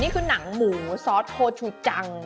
นี่คือหนังหมูซอสโฮชูจัง